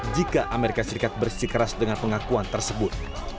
jika amerika serikat bersikeras dengan pengakuan tersebut